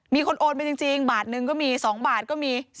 มีคนโอนไปจริงบาทหนึ่งก็มี๒บาทก็มี